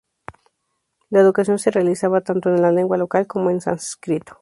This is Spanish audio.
La educación se realizaba tanto en la lengua local como en sánscrito.